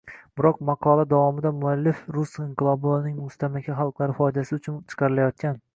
Biroq, maqola davomida muallif rus inqilobi va uning mustamlaka xalqlari foydasi uchun chiqarilayotgan